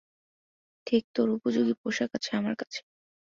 ঠিক তোর উপযোগী পোশাক আছে আমার আছে।